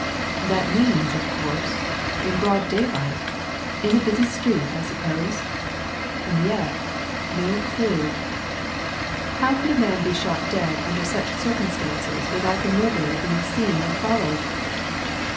that means, of course, in broad daylight in a busy street, I suppose? And yet no clue. How could a man be shot dead under such circumstances without the murderer being seen and followed?"